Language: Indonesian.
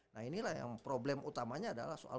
nah inilah yang problem utamanya adalah soal